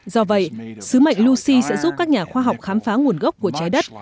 do vậy xứ mệnh lucy sẽ giúp các nhà khoa học khám phá nguồn gốc của trái đất